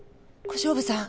小勝負さん！？